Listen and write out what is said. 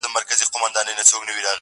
چي شعوري او د ګټو پر بنسټ وي